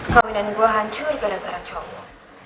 kawinan gua hancur gara gara cowok